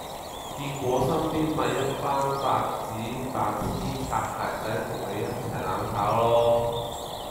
結果身邊咪一班白紙、白癡、擦鞋仔同你一齊攬炒囉